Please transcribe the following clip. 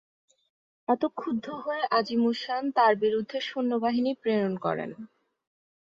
এতে ক্ষুব্দ হয়ে আজিম-উস-শান তার বিরুদ্ধে সৈন্যবাহিনী প্রেরণ করেন।